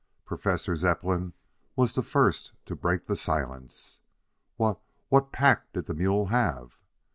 Professor Zepplin was the first to break the silence. "Wha what pack did the mule have?"